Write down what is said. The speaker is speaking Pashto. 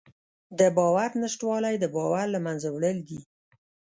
د باور نشتوالی د بازار له منځه وړل دي.